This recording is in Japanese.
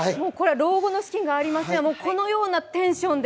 「老後の資金がありません！」はこのようなテンションで？